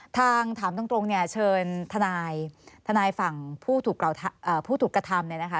ทางถามตรงเชิญทนายทนายฝั่งผู้ถูกกระทำ